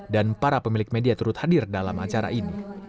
dan para pemilik media turut hadir dalam acara ini